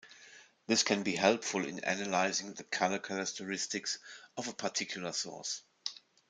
This can be helpful in analyzing the color characteristics of a particular source.